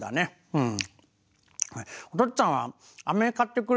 うん。